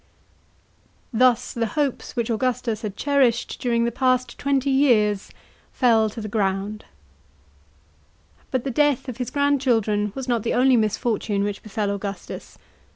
Thus the hopes which Augustus had cherished during the past twenty years fell to the ground. § 7. But the death of his grandchildren was not the only mis fortune which befel Augustus.